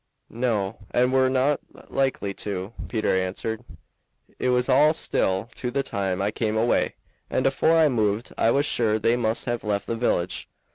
"No, and were not likely to," Peter answered. "It was all still to the time I came away, and afore I moved I was sure they must have left the village.